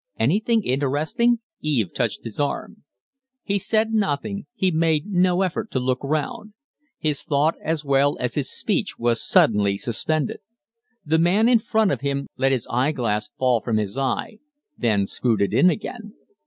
"Anything interesting?" Eve touched his arm. He said nothing; he made no effort to look round. His thought as well as his speech was suddenly suspended. The man in front of him let his eye glass fall from his eye, then screwed it in again.